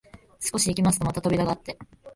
少し行きますとまた扉があって、